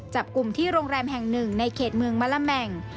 จับกลุ่มที่โรงแรมแห่งหนึ่งในเขตเมืองมะละแม่ง